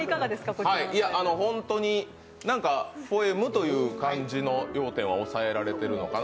本当にポエムという感じの要点は押さえられてるのかな